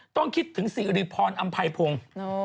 ต้องคิดถึงศรีริพรอัมภัยพงษ์